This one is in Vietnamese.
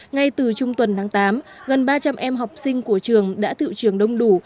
ngay từ trung tuần tháng tám gần ba trăm linh em học sinh của trường đã tự trường đông đủ